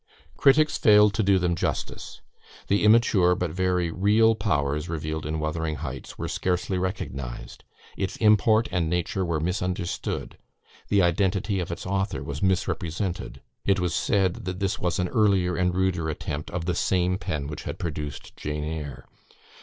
"Critics failed to do them justice. The immature, but very real, powers revealed in 'Wuthering Heights,' were scarcely recognised; its import and nature were misunderstood; the identity of its author was misrepresented: it was said that this was an earlier and ruder attempt of the same pen which had produced 'Jane Eyre.'"